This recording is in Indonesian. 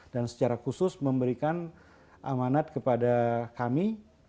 dan secara khusus memberikan amanat kepada kami